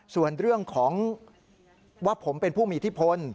ส่วนเรื่องของว่าผมเป็นผู้มีอิทธิพล